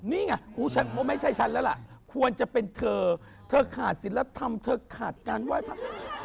นี่ไงไม่ใช่ฉันแล้วล่ะควรจะเป็นเธอเธอขาดศิลธรรมเธอขาดการไหว้พระ